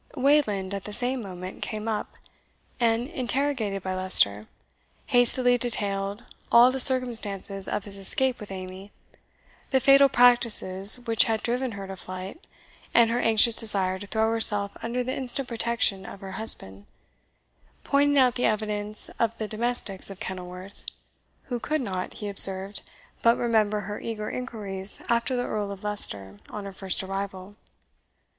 Wayland at the same moment came up; and interrogated by Leicester, hastily detailed all the circumstances of his escape with Amy, the fatal practices which had driven her to flight, and her anxious desire to throw herself under the instant protection of her husband pointing out the evidence of the domestics of Kenilworth, "who could not," he observed, "but remember her eager inquiries after the Earl of Leicester on her first arrival."